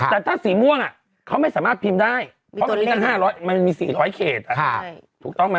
แต่ถ้าสีม่วงเขาไม่สามารถพิมพ์ได้เพราะมันมี๔๐๐เขตถูกต้องไหม